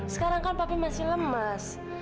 sekarang kan papi masih lemes